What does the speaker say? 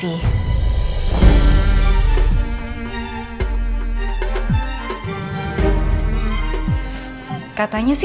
katanya sih elsa ceritain sama neneng